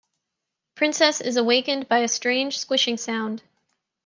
Princess is awakened by a strange squishing sound.